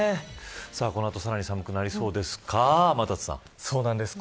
この後、さらに寒くなりそうですか、天達そうなんです。